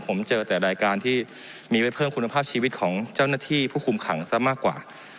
ผมเจอแต่รายการที่มีไว้เพิ่มคุณภาพชีวิตของเจ้าหน้าที่ผู้คุมขังซะมากกว่า